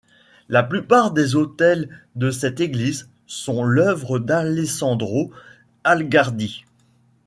La plupart des autels de cette église sont l'œuvre d'Alessandro Algardi.